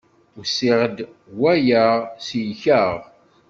Usiɣ-d, walaɣ, selkeɣ.